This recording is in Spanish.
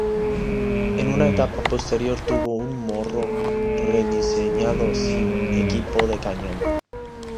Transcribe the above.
En una etapa posterior tuvo un morro rediseñado sin equipo de cañón.